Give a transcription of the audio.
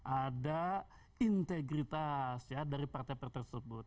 ada integritas ya dari partai partai tersebut